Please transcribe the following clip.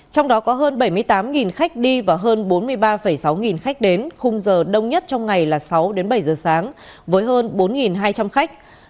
trong đó có hơn bảy mươi tám khách đi và hơn bốn mươi ba sáu khách đến khung giờ đông nhất trong ngày là sáu đến bảy giờ sáng với hơn bốn hai trăm linh khách